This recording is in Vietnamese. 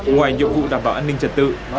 ngoài dụng vụ đảm bảo an ninh trật tự